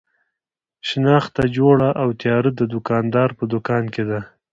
شنخته جوړه او تیاره د دوکاندار په دوکان کې ده.